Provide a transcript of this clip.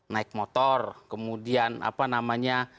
naik motor kemudian apa namanya